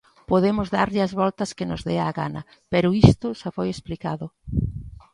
Podemos darlle as voltas que nos dea a gana pero isto xa foi explicado.